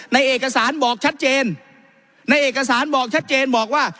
ในเอกสารบอกชัดเจนในเอกสารบอกชัดเจนบอกว่า